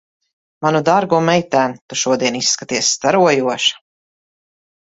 Manu dārgo meitēn, tu šodien izskaties starojoša.